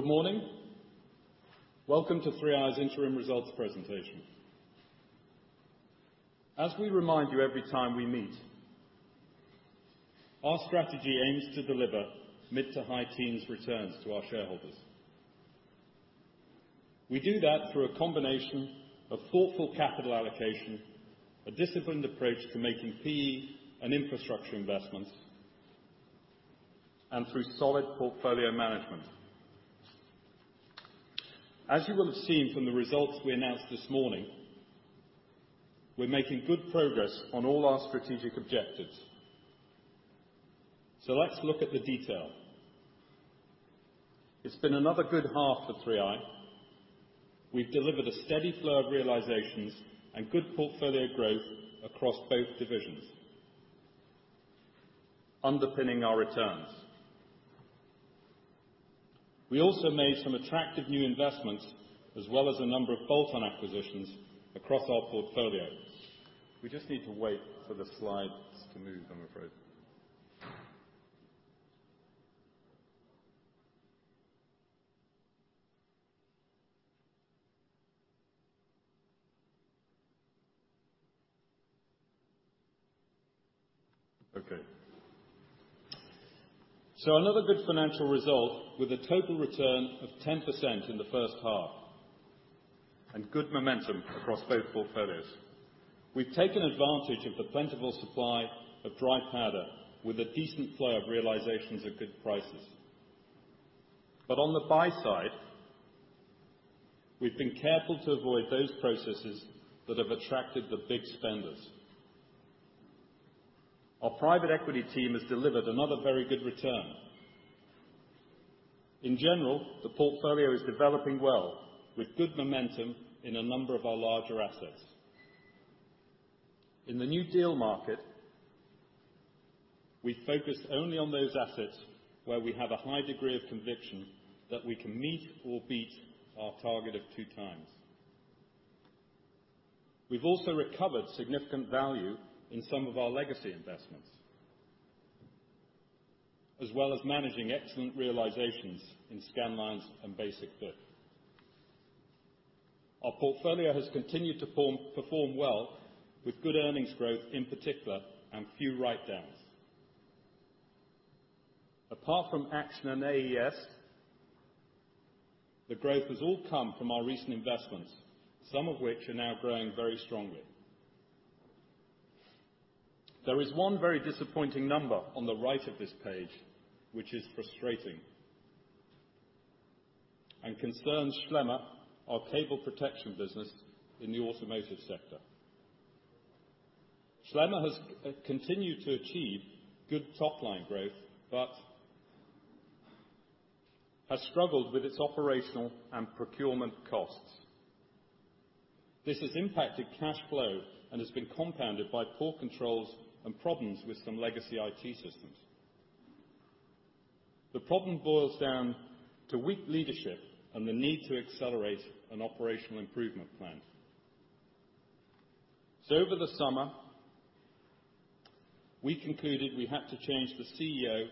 Good morning. Welcome to 3i's interim results presentation. As we remind you every time we meet, our strategy aims to deliver mid to high teens returns to our shareholders. We do that through a combination of thoughtful capital allocation, a disciplined approach to making PE and infrastructure investments, and through solid portfolio management. As you will have seen from the results we announced this morning, we're making good progress on all our strategic objectives. Let's look at the detail. It's been another good half for 3i. We've delivered a steady flow of realizations and good portfolio growth across both divisions, underpinning our returns. We also made some attractive new investments, as well as a number of bolt-on acquisitions across our portfolio. We just need to wait for the slides to move, I'm afraid. Okay. Another good financial result with a total return of 10% in the first half, and good momentum across both portfolios. We've taken advantage of the plentiful supply of dry powder with a decent flow of realizations at good prices. On the buy side, we've been careful to avoid those processes that have attracted the big spenders. Our private equity team has delivered another very good return. In general, the portfolio is developing well with good momentum in a number of our larger assets. In the new deal market, we focused only on those assets where we have a high degree of conviction that we can meet or beat our target of two times. We've also recovered significant value in some of our legacy investments, as well as managing excellent realizations in Scandlines and Basic-Fit. Our portfolio has continued to perform well with good earnings growth in particular and few writedowns. Apart from Action and AES, the growth has all come from our recent investments, some of which are now growing very strongly. There is one very disappointing number on the right of this page, which is frustrating and concerns Schlemmer, our cable protection business in the automotive sector. Schlemmer has continued to achieve good top-line growth, but has struggled with its operational and procurement costs. This has impacted cash flow and has been compounded by poor controls and problems with some legacy IT systems. The problem boils down to weak leadership and the need to accelerate an operational improvement plan. Over the summer, we concluded we had to change the CEO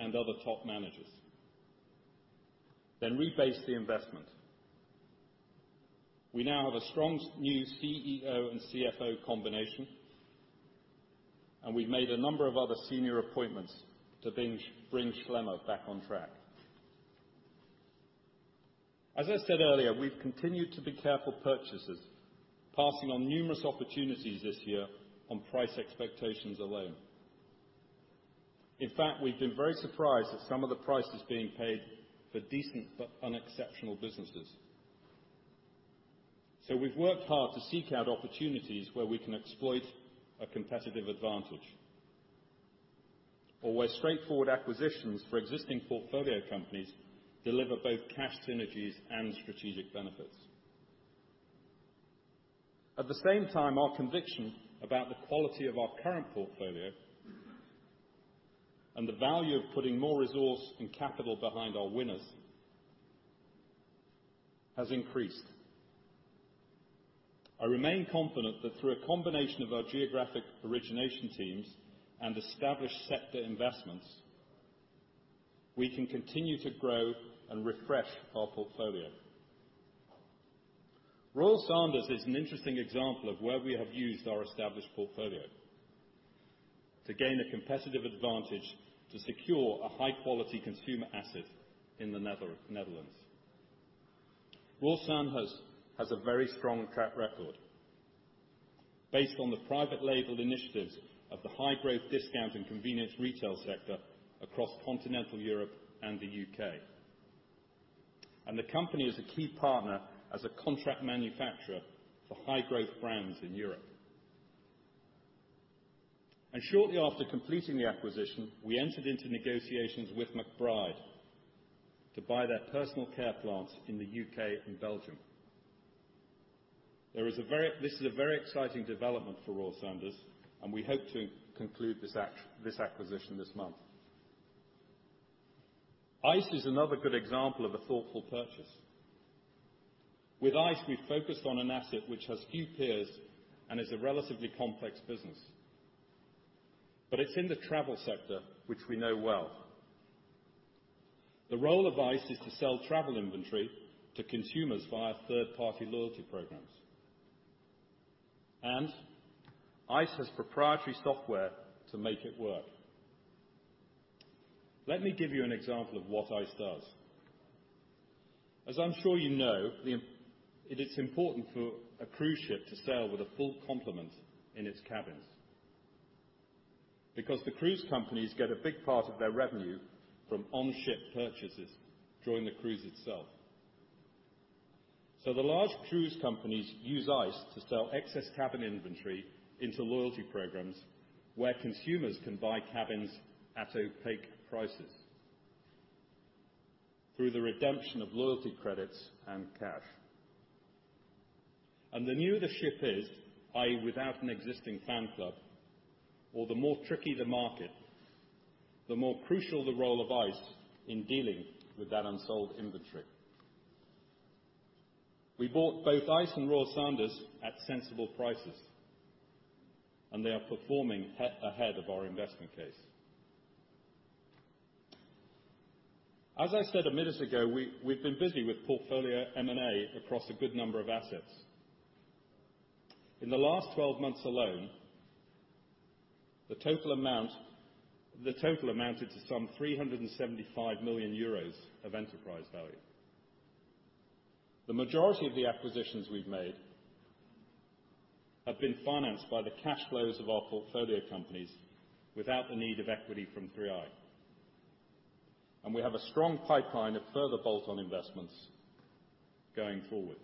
and other top managers, then rebase the investment. We now have a strong new CEO and CFO combination, and we've made a number of other senior appointments to bring Schlemmer back on track. As I said earlier, we've continued to be careful purchasers, passing on numerous opportunities this year on price expectations alone. In fact, we've been very surprised at some of the prices being paid for decent but unexceptional businesses. We've worked hard to seek out opportunities where we can exploit a competitive advantage or where straightforward acquisitions for existing portfolio companies deliver both cash synergies and strategic benefits. At the same time, our conviction about the quality of our current portfolio and the value of putting more resource and capital behind our winners has increased. I remain confident that through a combination of our geographic origination teams and established sector investments, we can continue to grow and refresh our portfolio. Royal Sanders is an interesting example of where we have used our established portfolio to gain a competitive advantage to secure a high-quality consumer asset in the Netherlands. Royal Sanders has a very strong track record based on the private label initiatives of the high-growth discount and convenience retail sector across continental Europe and the U.K. The company is a key partner as a contract manufacturer for high-growth brands in Europe. Shortly after completing the acquisition, we entered into negotiations with McBride to buy their personal care plants in the U.K. and Belgium. This is a very exciting development for Royal Sanders, and we hope to conclude this acquisition this month. ICE is another good example of a thoughtful purchase. With ICE, we focused on an asset which has few peers and is a relatively complex business. It's in the travel sector, which we know well. The role of ICE is to sell travel inventory to consumers via third-party loyalty programs. ICE has proprietary software to make it work. Let me give you an example of what ICE does. As I'm sure you know, it is important for a cruise ship to sail with a full complement in its cabins because the cruise companies get a big part of their revenue from on-ship purchases during the cruise itself. The large cruise companies use ICE to sell excess cabin inventory into loyalty programs, where consumers can buy cabins at opaque prices through the redemption of loyalty credits and cash. The newer the ship is, ICE, without an existing fan club, or the more tricky the market, the more crucial the role of ICE in dealing with that unsold inventory. We bought both ICE and Royal Sanders at sensible prices, and they are performing ahead of our investment case. As I said a minute ago, we've been busy with portfolio M&A across a good number of assets. In the last 12 months alone, the total amounted to some 375 million euros of enterprise value. The majority of the acquisitions we've made have been financed by the cash flows of our portfolio companies without the need of equity from 3i. We have a strong pipeline of further bolt-on investments going forward.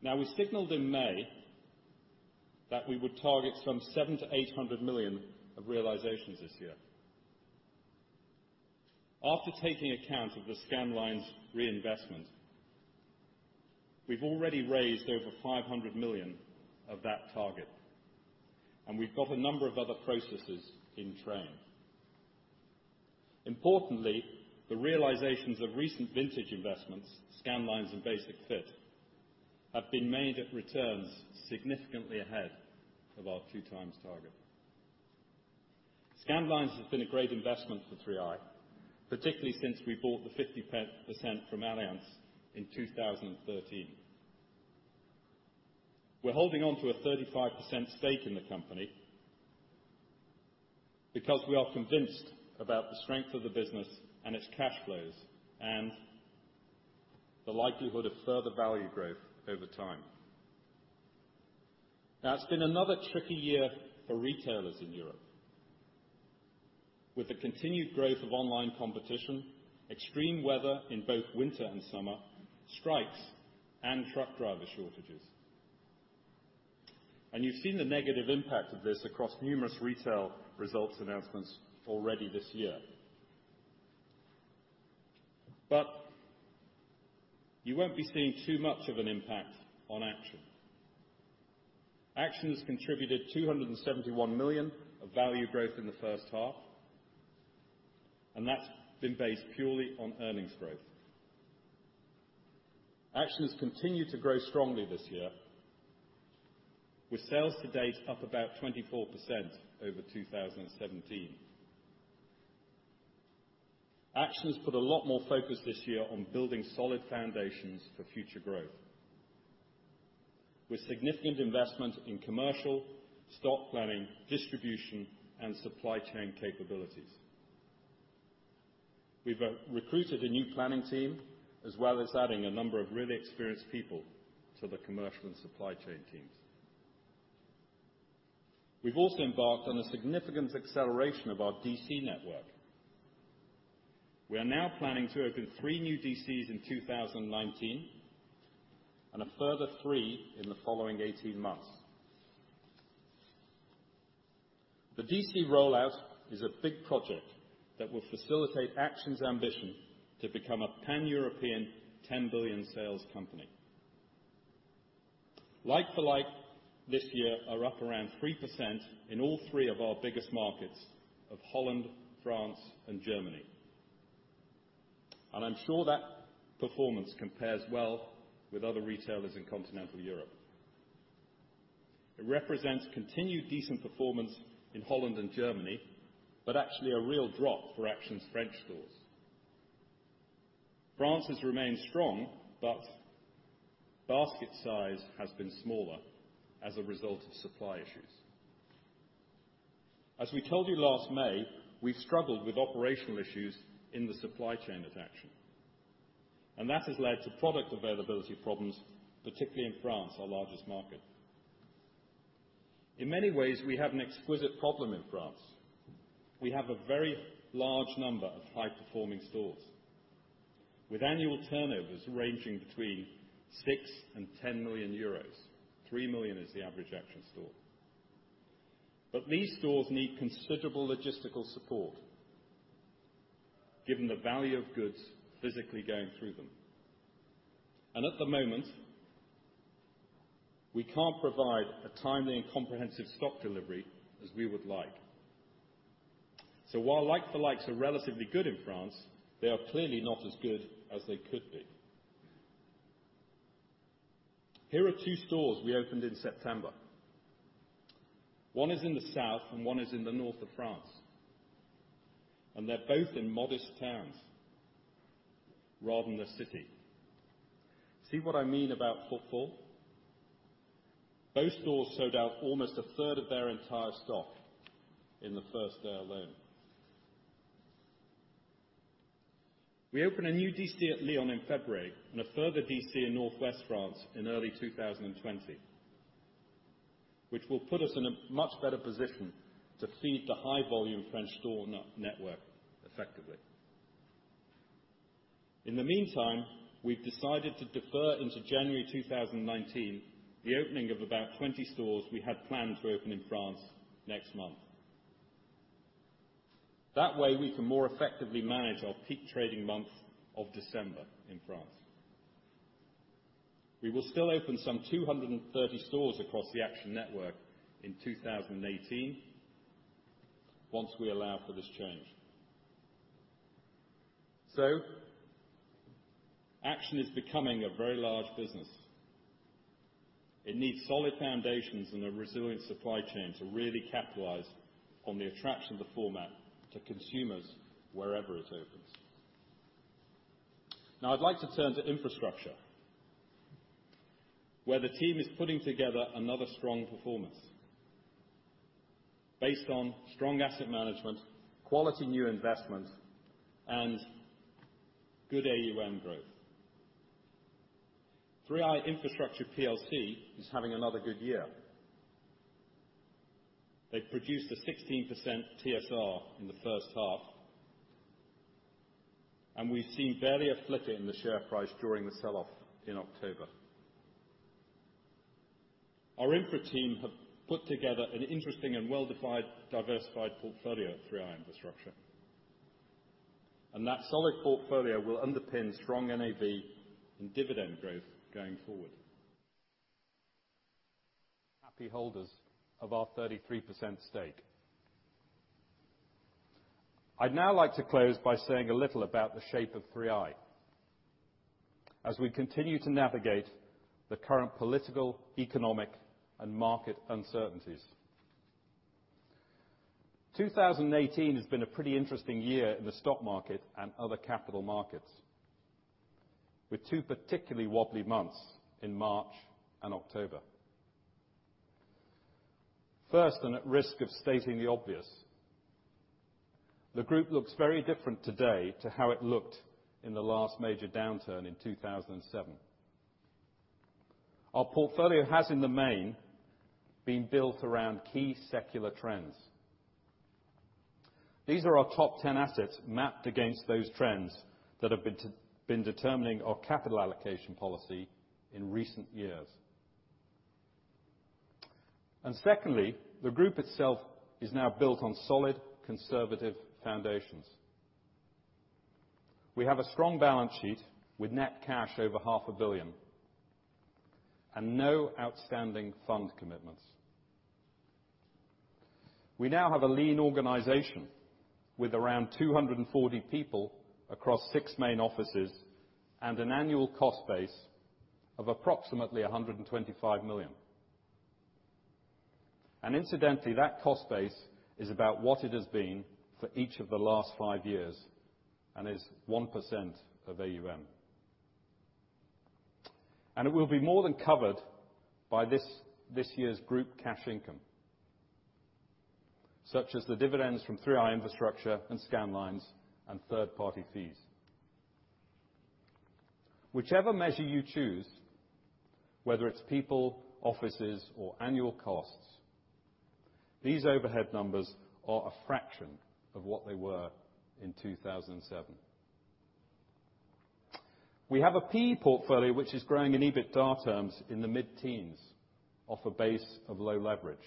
Now, we signaled in May that we would target some 700 million-800 million of realizations this year. After taking account of the Scandlines reinvestment, we've already raised over 500 million of that target, and we've got a number of other processes in train. Importantly, the realizations of recent vintage investments, Scandlines and Basic-Fit, have been made at returns significantly ahead of our 2x target. Scandlines has been a great investment for 3i, particularly since we bought the 50% from Allianz in 2013. We're holding on to a 35% stake in the company because we are convinced about the strength of the business and its cash flows, and the likelihood of further value growth over time. Now, it's been another tricky year for retailers in Europe with the continued growth of online competition, extreme weather in both winter and summer, strikes, and truck driver shortages. You've seen the negative impact of this across numerous retail results announcements already this year. You won't be seeing too much of an impact on Action. Action's contributed 271 million of value growth in the first half, and that's been based purely on earnings growth. Action's continued to grow strongly this year with sales to date up about 24% over 2017. Action's put a lot more focus this year on building solid foundations for future growth with significant investment in commercial, stock planning, distribution, and supply chain capabilities. We've recruited a new planning team, as well as adding a number of really experienced people to the commercial and supply chain teams. We've also embarked on a significant acceleration of our DC network. We are now planning to open three new DCs in 2019 and a further three in the following 18 months. The DC rollout is a big project that will facilitate Action's ambition to become a Pan-European 10 billion sales company. Like-for-like this year are up around 3% in all three of our biggest markets of Holland, France, and Germany. I'm sure that performance compares well with other retailers in continental Europe. It represents continued decent performance in Holland and Germany, but actually a real drop for Action's French stores. France has remained strong, but basket size has been smaller as a result of supply issues. As we told you last May, we've struggled with operational issues in the supply chain at Action, and that has led to product availability problems, particularly in France, our largest market. In many ways, we have an exquisite problem in France. We have a very large number of high-performing stores with annual turnovers ranging between six and 10 million euros. Three million is the average Action store. These stores need considerable logistical support given the value of goods physically going through them. At the moment, we can't provide a timely and comprehensive stock delivery as we would like. While like-for-likes are relatively good in France, they are clearly not as good as they could be. Here are two stores we opened in September. One is in the south and one is in the north of France, and they're both in modest towns rather than the city. See what I mean about footfall? Both stores sold out almost a third of their entire stock in the first day alone. We open a new DC at Lyon in February and a further DC in Northwest France in early 2020, which will put us in a much better position to feed the high-volume French store network effectively. In the meantime, we've decided to defer into January 2019 the opening of about 20 stores we had planned to open in France next month. That way, we can more effectively manage our peak trading month of December in France. We will still open some 230 stores across the Action network in 2018 once we allow for this change. Action is becoming a very large business. It needs solid foundations and a resilient supply chain to really capitalize on the attraction of the format to consumers wherever it opens. I'd like to turn to infrastructure, where the team is putting together another strong performance based on strong asset management, quality new investment, and good AUM growth. 3i Infrastructure plc is having another good year. They produced a 16% TSR in the first half, and we've seen barely a flicker in the share price during the sell-off in October. Our infra team have put together an interesting and well-diversified portfolio through our infrastructure, and that solid portfolio will underpin strong NAV and dividend growth going forward. Happy holders of our 33% stake. I'd now like to close by saying a little about the shape of 3i as we continue to navigate the current political, economic, and market uncertainties. 2018 has been a pretty interesting year in the stock market and other capital markets, with two particularly wobbly months in March and October. First, and at risk of stating the obvious, the group looks very different today to how it looked in the last major downturn in 2007. Our portfolio has, in the main, been built around key secular trends. These are our top 10 assets mapped against those trends that have been determining our capital allocation policy in recent years. Secondly, the group itself is now built on solid, conservative foundations. We have a strong balance sheet with net cash over half a billion and no outstanding fund commitments. We now have a lean organization with around 240 people across six main offices and an annual cost base of approximately 125 million. Incidentally, that cost base is about what it has been for each of the last five years and is 1% of AUM. It will be more than covered by this year's group cash income, such as the dividends from 3i Infrastructure and Scandlines and third-party fees. Whichever measure you choose, whether it's people, offices, or annual costs, these overhead numbers are a fraction of what they were in 2007. We have a PE portfolio which is growing in EBITDA terms in the mid-teens off a base of low leverage.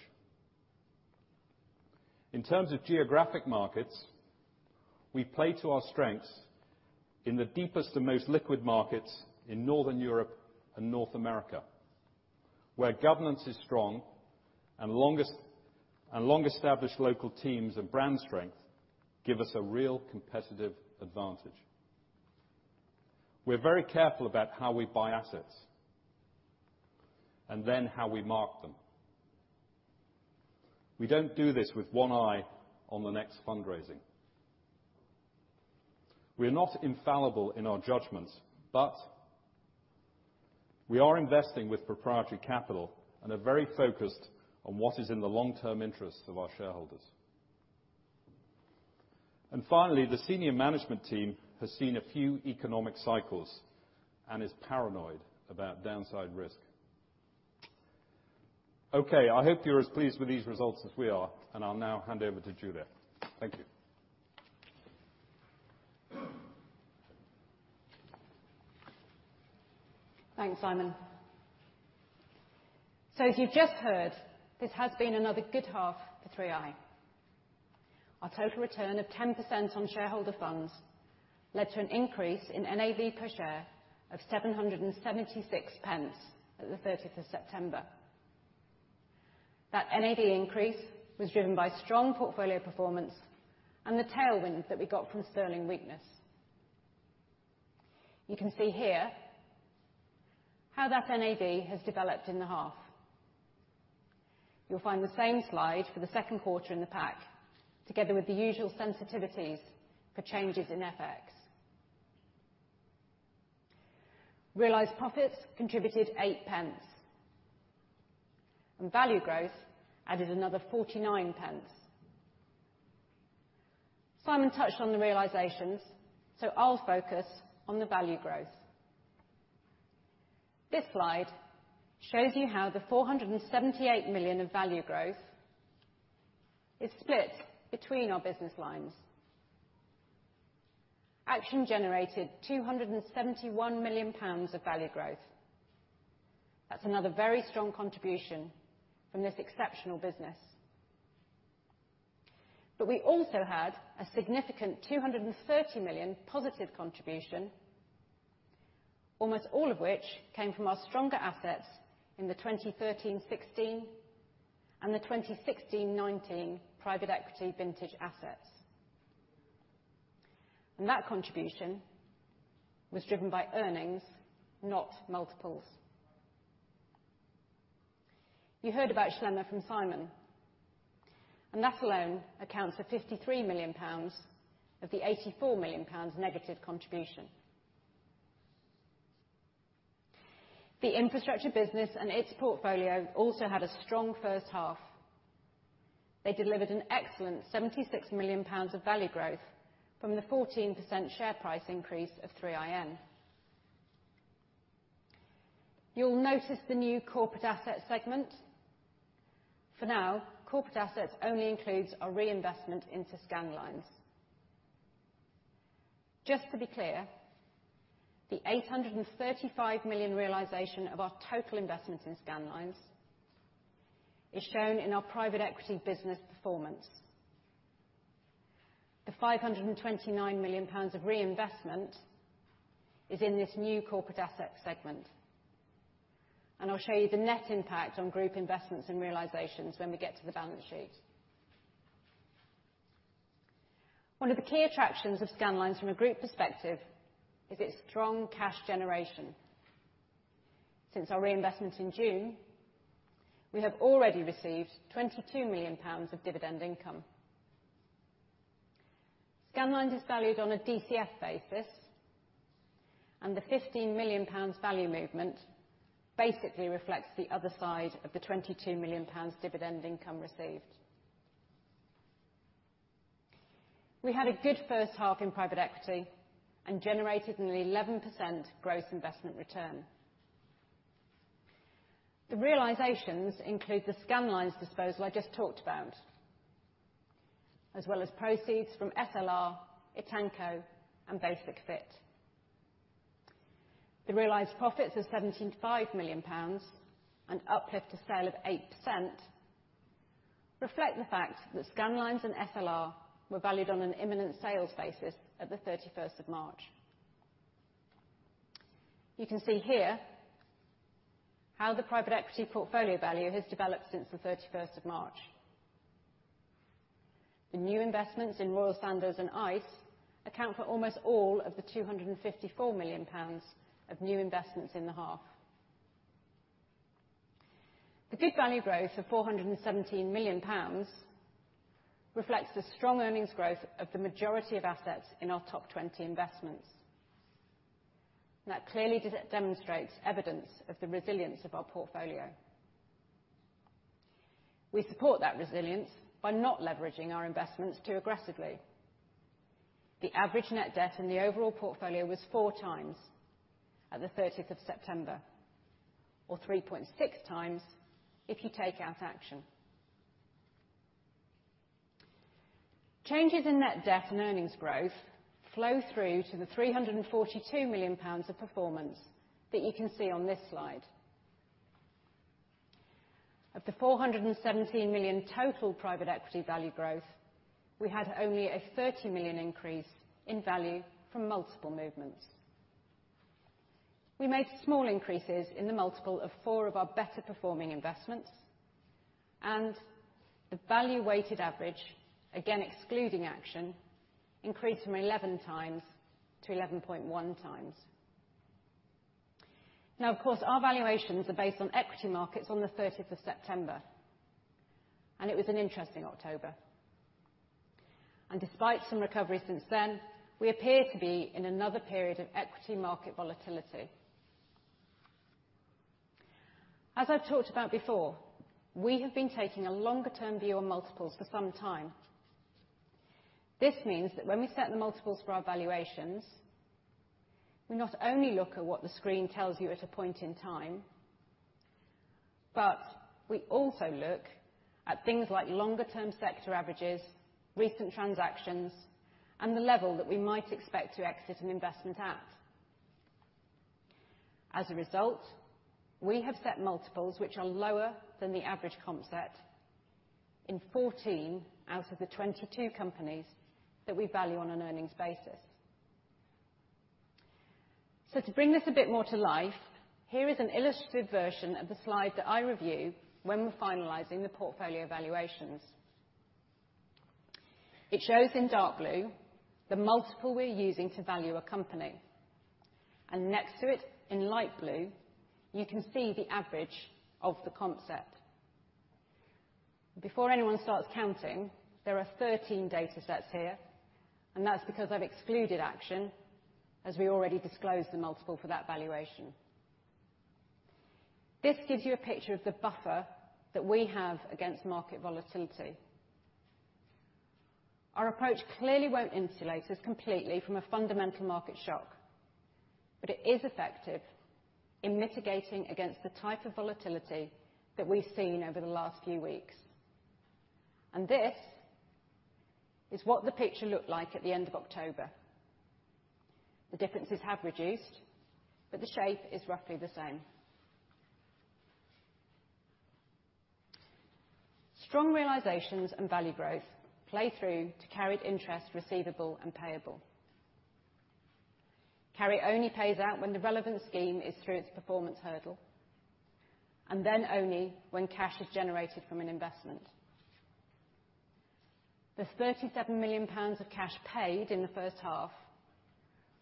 In terms of geographic markets, we play to our strengths in the deepest and most liquid markets in Northern Europe and North America, where governance is strong and long-established local teams and brand strength give us a real competitive advantage. We're very careful about how we buy assets and then how we mark them. We don't do this with one eye on the next fundraising. We are not infallible in our judgments, but we are investing with proprietary capital and are very focused on what is in the long-term interest of our shareholders. Finally, the senior management team has seen a few economic cycles and is paranoid about downside risk. Okay, I hope you're as pleased with these results as we are, and I'll now hand over to Julia. Thank you. Thanks, Simon. As you've just heard, this has been another good half for 3i. Our total return of 10% on shareholder funds led to an increase in NAV per share of 7.76 at the 30 of September. That NAV increase was driven by strong portfolio performance and the tailwinds that we got from sterling weakness. You can see here how that NAV has developed in the half. You'll find the same slide for the second quarter in the pack, together with the usual sensitivities for changes in FX. Realized profits contributed 0.08, and value growth added another 0.49. Simon touched on the realizations, I'll focus on the value growth. This slide shows you how the 478 million of value growth is split between our business lines. Action generated 271 million pounds of value growth. That's another very strong contribution from this exceptional business. We also had a significant 230 million positive contribution, almost all of which came from our stronger assets in the 2013/2016 and the 2016/2019 private equity vintage assets. That contribution was driven by earnings, not multiples. You heard about Schlemmer from Simon, and that alone accounts for 53 million pounds of the -84 million pounds contribution. The infrastructure business and its portfolio also had a strong first half. They delivered an excellent 76 million pounds of value growth from the 14% share price increase of 3iN. You will notice the new corporate asset segment. For now, corporate assets only includes our reinvestment into Scandlines. Just to be clear, the 835 million realization of our total investment in Scandlines is shown in our private equity business performance. The 529 million pounds of reinvestment is in this new corporate asset segment. I will show you the net impact on group investments and realizations when we get to the balance sheet. One of the key attractions of Scandlines from a group perspective is its strong cash generation. Since our reinvestment in June, we have already received 22 million pounds of dividend income. Scandlines is valued on a DCF basis, and the 15 million pounds value movement basically reflects the other side of the 22 million pounds dividend income received. We had a good first half in private equity and generated an 11% gross investment return. The realizations include the Scandlines disposal I just talked about, as well as proceeds from SLR, Etanco, and Basic-Fit. The realized profits of GBP 17.5 million and uplift to sale of 8% reflect the fact that Scandlines and SLR were valued on an imminent sales basis at the 31 of March. You can see here how the private equity portfolio value has developed since the 31 of March. The new investments in Royal Sanders and ICE account for almost all of the 254 million pounds of new investments in the half. The good value growth of 417 million pounds reflects the strong earnings growth of the majority of assets in our top 20 investments. That clearly demonstrates evidence of the resilience of our portfolio. We support that resilience by not leveraging our investments too aggressively. The average net debt in the overall portfolio was 4x at the 30th of September, or 3.6x if you take out Action. Changes in net debt and earnings growth flow through to the 342 million pounds of performance that you can see on this slide. Of the 417 million total private equity value growth, we had only a 30 million increase in value from multiple movements. We made small increases in the multiple of four of our better performing investments and the value weighted average, again excluding Action, increased from 11x-11.1x. Of course, our valuations are based on equity markets on the 30th of September, and it was an interesting October. Despite some recovery since then, we appear to be in another period of equity market volatility. As I have talked about before, we have been taking a longer-term view on multiples for some time. This means that when we set the multiples for our valuations, we not only look at what the screen tells you at a point in time, but we also look at things like longer term sector averages, recent transactions, and the level that we might expect to exit an investment at. As a result, we have set multiples which are lower than the average comp set in 14 out of the 22 companies that we value on an earnings basis. To bring this a bit more to life, here is an illustrated version of the slide that I review when we're finalizing the portfolio evaluations. It shows in dark blue the multiple we're using to value a company, and next to it in light blue, you can see the average of the comp set. Before anyone starts counting, there are 13 data sets here, and that's because I've excluded Action, as we already disclosed the multiple for that valuation. This gives you a picture of the buffer that we have against market volatility. Our approach clearly won't insulate us completely from a fundamental market shock, but it is effective in mitigating against the type of volatility that we've seen over the last few weeks. This is what the picture looked like at the end of October. The differences have reduced, but the shape is roughly the same. Strong realizations and value growth play through to carried interest receivable and payable. Carry only pays out when the relevant scheme is through its performance hurdle, and then only when cash is generated from an investment. This 37 million pounds of cash paid in the first half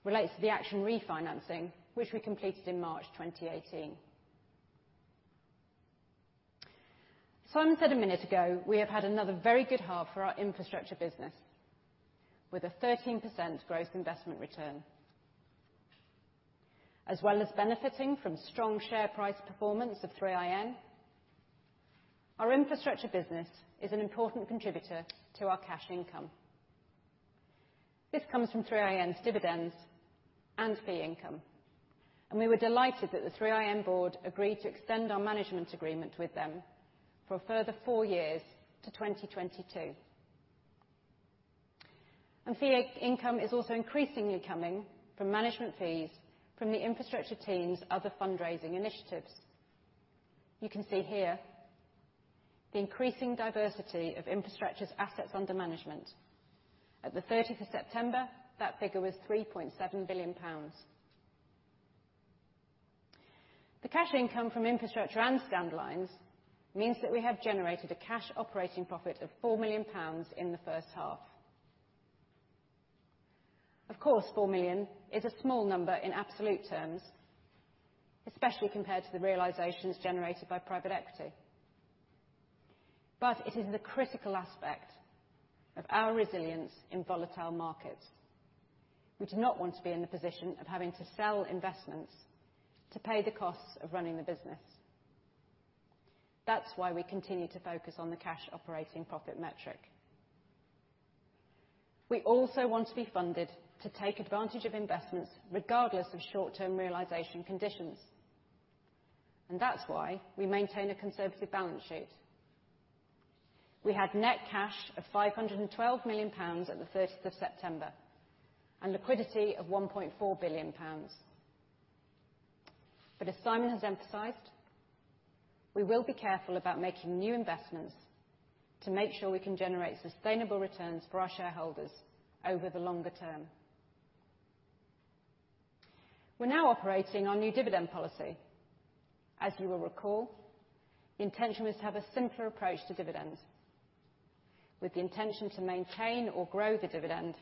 relates to the Action refinancing, which we completed in March 2018. Simon said a minute ago we have had another very good half for our infrastructure business, with a 13% gross investment return. As well as benefiting from strong share price performance of 3iN, our infrastructure business is an important contributor to our cash income. This comes from 3iN's dividends and fee income, and we were delighted that the 3iN board agreed to extend our management agreement with them for a further four years to 2022. Fee income is also increasingly coming from management fees from the infrastructure team's other fundraising initiatives. You can see here the increasing diversity of infrastructure's assets under management. At the 30th of September, that figure was 3.7 billion pounds. The cash income from infrastructure and Scandlines means that we have generated a cash operating profit of 4 million pounds in the first half. Of course, 4 million is a small number in absolute terms, especially compared to the realizations generated by private equity, but it is the critical aspect of our resilience in volatile markets. We do not want to be in the position of having to sell investments to pay the costs of running the business. That's why we continue to focus on the cash operating profit metric. We also want to be funded to take advantage of investments regardless of short-term realization conditions, and that's why we maintain a conservative balance sheet. We had net cash of 512 million pounds on the 30th of September and liquidity of 1.4 billion pounds. As Simon has emphasized, we will be careful about making new investments to make sure we can generate sustainable returns for our shareholders over the longer term. We're now operating our new dividend policy. As you will recall, the intention was to have a simpler approach to dividends with the intention to maintain or grow the dividend,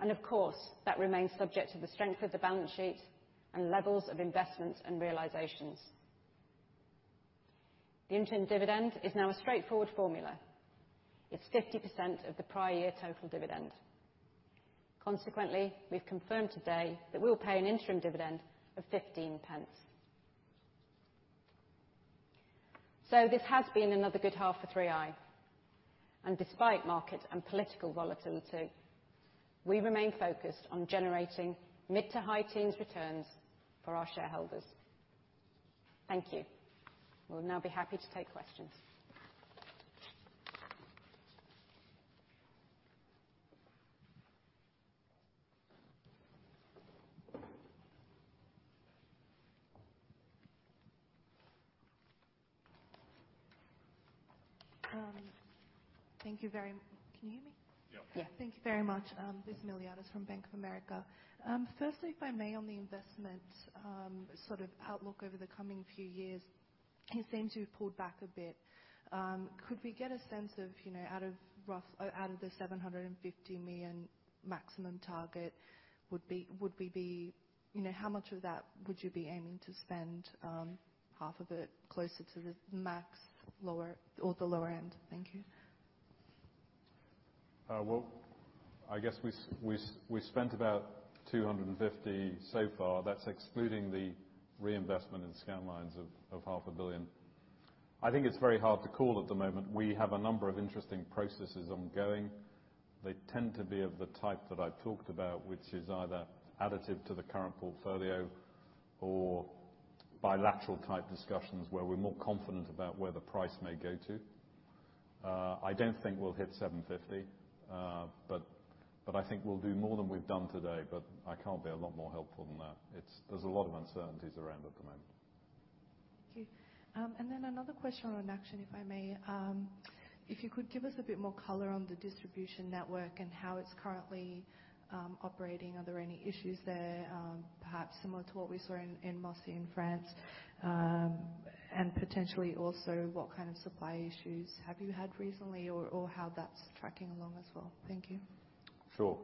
and of course, that remains subject to the strength of the balance sheet and levels of investments and realizations. The interim dividend is now a straightforward formula. It's 50% of the prior year total dividend. Consequently, we've confirmed today that we'll pay an interim dividend of 0.15. This has been another good half for 3i, and despite market and political volatility, we remain focused on generating mid-to-high teens returns for our shareholders. Thank you. We'll now be happy to take questions. Thank you very Can you hear me? Yeah. Yeah. Thank you very much. This is Miltiadis Artemis from Bank of America. Firstly, if I may, on the investment sort of outlook over the coming few years, you seem to have pulled back a bit. Could we get a sense of out of the 750 million maximum target, how much of that would you be aiming to spend, half of it, closer to the max, or the lower end? Thank you. Well, I guess we spent about 250 so far. That's excluding the reinvestment in Scandlines of half a billion. I think it's very hard to call at the moment. We have a number of interesting processes ongoing. They tend to be of the type that I've talked about, which is either additive to the current portfolio or bilateral type discussions where we're more confident about where the price may go to. I don't think we'll hit 750, but I think we'll do more than we've done today, but I can't be a lot more helpful than that. There's a lot of uncertainties around at the moment. Thank you. Another question on Action if I may. If you could give us a bit more color on the distribution network and how it's currently operating. Are there any issues there, perhaps similar to what we saw in Moissy in France? Potentially also what kind of supply issues have you had recently or how that's tracking along as well? Thank you. Sure.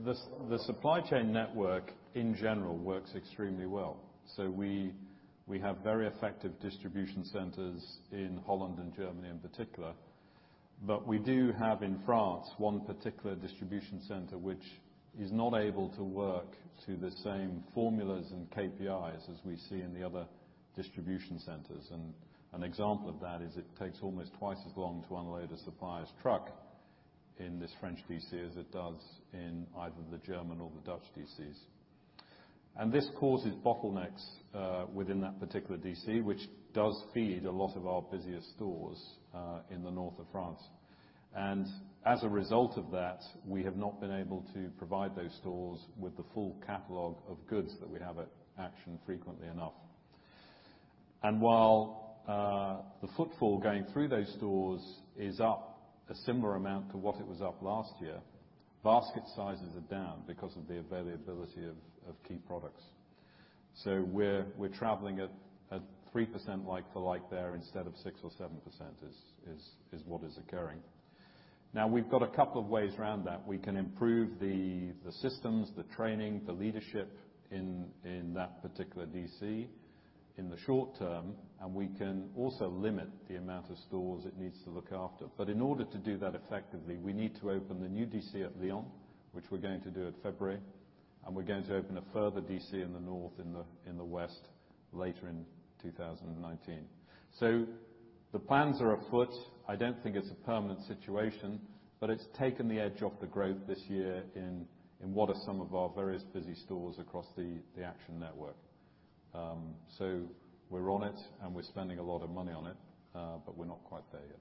The supply chain network in general works extremely well. We have very effective distribution centers in Holland and Germany in particular. We do have in France one particular distribution center which is not able to work to the same formulas and KPIs as we see in the other distribution centers. An example of that is it takes almost twice as long to unload a supplier's truck in this French DC as it does in either the German or the Dutch DCs. This causes bottlenecks within that particular DC, which does feed a lot of our busiest stores in the north of France. As a result of that, we have not been able to provide those stores with the full catalog of goods that we have at Action frequently enough. While the footfall going through those stores is up a similar amount to what it was up last year, basket sizes are down because of the availability of key products. We're traveling at 3% like-for-like there instead of 6% or 7% is what is occurring. We've got a couple of ways around that. We can improve the systems, the training, the leadership in that particular DC in the short term, we can also limit the amount of stores it needs to look after. In order to do that effectively, we need to open the new DC at Lyon, which we're going to do at February, we're going to open a further DC in the north, in the west later in 2019. The plans are afoot. I don't think it's a permanent situation, it's taken the edge off the growth this year in what are some of our various busy stores across the Action network. We're on it, we're spending a lot of money on it, we're not quite there yet.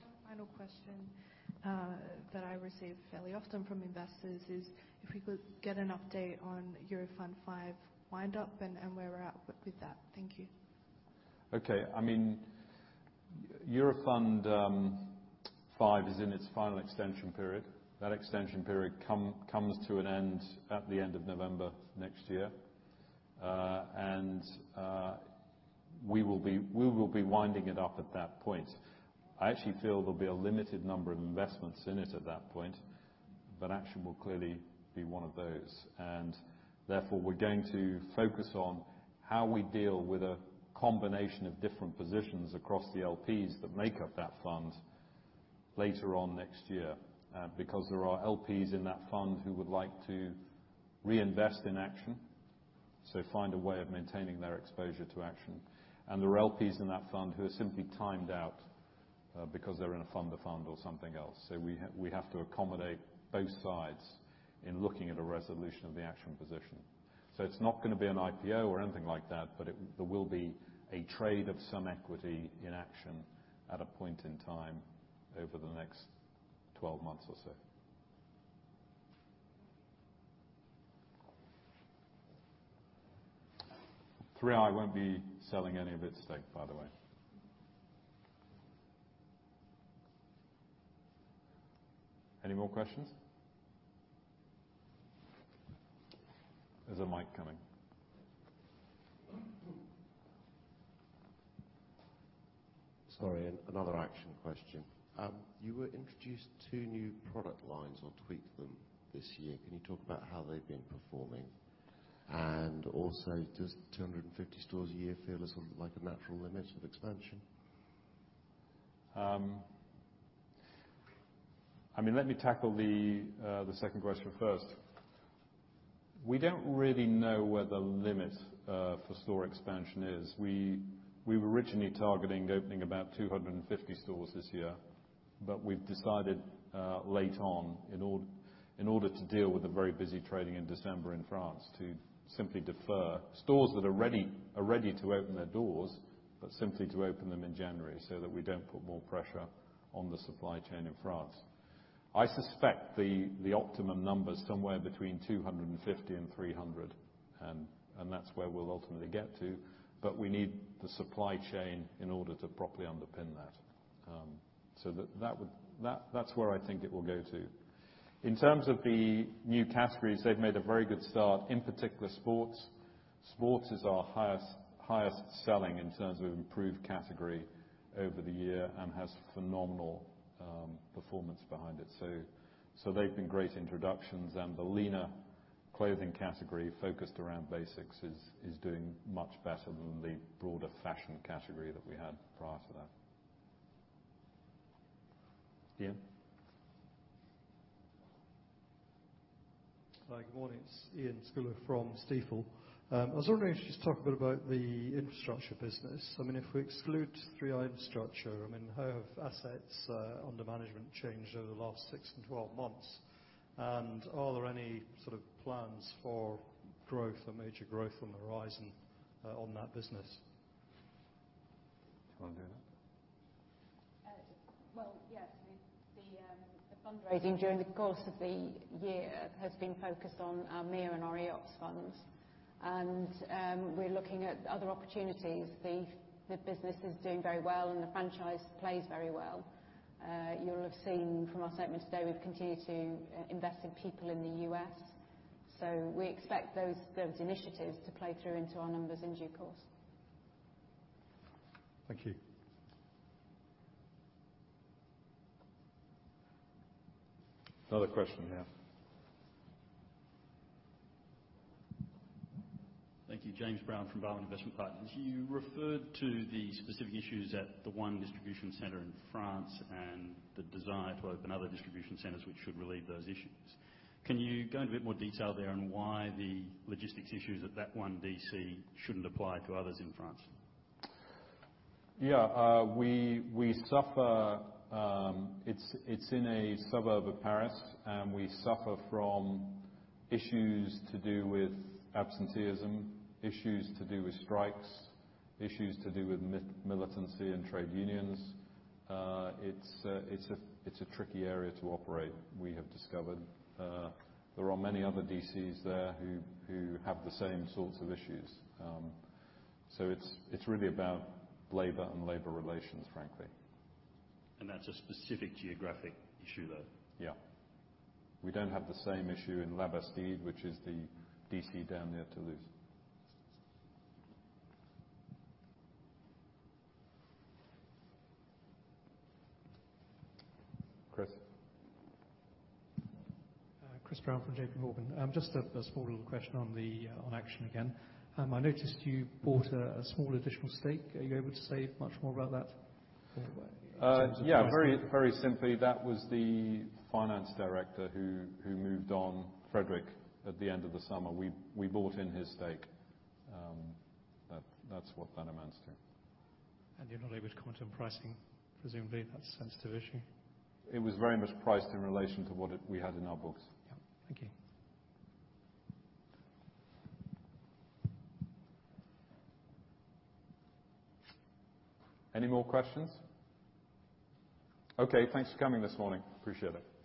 One final question that I receive fairly often from investors is if we could get an update on Eurofund V wind up and where we're at with that. Thank you. Okay. Eurofund V is in its final extension period. That extension period comes to an end at the end of November next year. We will be winding it up at that point. I actually feel there'll be a limited number of investments in it at that point, but Action will clearly be one of those. Therefore, we're going to focus on how we deal with a combination of different positions across the LPs that make up that fund later on next year because there are LPs in that fund who would like to reinvest in Action, so find a way of maintaining their exposure to Action. There are LPs in that fund who are simply timed out because they're in a fund of fund or something else. We have to accommodate both sides in looking at a resolution of the Action position. It's not going to be an IPO or anything like that, but there will be a trade of some equity in Action at a point in time over the next 12 months or so. 3i won't be selling any of its stake, by the way. Any more questions? There's a mic coming. Sorry, another Action question. You introduced two new product lines or tweaked them this year. Can you talk about how they've been performing? Also does 250 stores a year feel like a natural limit of expansion? Let me tackle the second question first. We don't really know where the limit for store expansion is. We were originally targeting opening about 250 stores this year, but we've decided late on in order to deal with the very busy trading in December in France to simply defer stores that are ready to open their doors, but simply to open them in January so that we don't put more pressure on the supply chain in France. I suspect the optimum number is somewhere between 250 and 300, and that's where we'll ultimately get to, but we need the supply chain in order to properly underpin that. That's where I think it will go to. In terms of the new categories, they've made a very good start, in particular sports. Sports is our highest selling in terms of improved category over the year and has phenomenal performance behind it. They've been great introductions and the leaner clothing category focused around basics is doing much better than the broader fashion category that we had prior to that. Iain? Hi, good morning. It's Iain Scouller from Stifel. I was wondering if you could just talk a bit about the infrastructure business. If we exclude 3i Infrastructure, how have assets under management changed over the last six and 12 months? Are there any sort of plans for growth or major growth on the horizon on that business? Do you want to do that? Well, yes. The fundraising during the course of the year has been focused on our 3i MIA and our 3i EOPF funds. We're looking at other opportunities. The business is doing very well, and the franchise plays very well. You'll have seen from our statement today, we've continued to invest in people in the U.S. We expect those initiatives to play through into our numbers in due course. Thank you. Another question now. Thank you. James Brown from Barwon Investment Partners. You referred to the specific issues at the one distribution center in France and the desire to open other distribution centers, which should relieve those issues. Can you go into a bit more detail there on why the logistics issues at that one DC shouldn't apply to others in France? Yeah. It's in a suburb of Paris, and we suffer from issues to do with absenteeism, issues to do with strikes, issues to do with militancy and trade unions. It's a tricky area to operate, we have discovered. There are many other DCs there who have the same sorts of issues. It's really about labor and labor relations, frankly. That's a specific geographic issue, though? Yeah. We don't have the same issue in Labastide, which is the DC down near Toulouse. Chris. Christopher Brown from JPMorgan. Just a small little question on Action again. I noticed you bought a small additional stake. Are you able to say much more about that in terms of pricing? Yeah. Very simply, that was the Finance Director who moved on, Frederick, at the end of the summer. We bought in his stake. That's what that amounts to. You're not able to comment on pricing, presumably. That's a sensitive issue. It was very much priced in relation to what we had in our books. Yeah. Thank you. Any more questions? Okay. Thanks for coming this morning. Appreciate it.